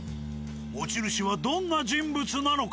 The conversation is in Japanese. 持ち主はどんな人物なのか。